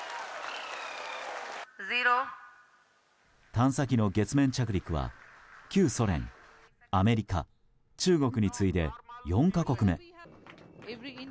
探査機の月面着陸は旧ソ連、アメリカ、中国に次いで４か国目。